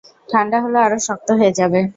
ঠান্ডা হলে আরও শক্ত হয়ে যাবে।